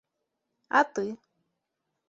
- А ты?